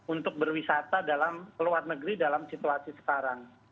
untuk berwisata dalam luar negeri dalam situasi sekarang